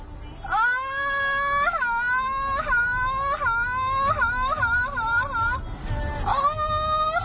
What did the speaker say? นื่อย